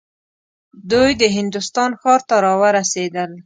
دوی د هندوستان ښار ته راورسېدل.